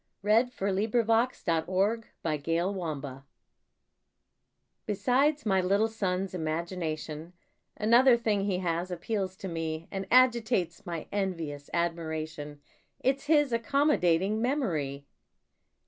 HIS MEMORY Besides my little son's imagination, Another thing he has appeals to me And agitates my envious admiration It's his accommodating memory.